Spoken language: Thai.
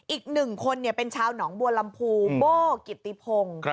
อีก๑คนเป็นชาวหนองบัวลำภูโบ๊ะกิติพง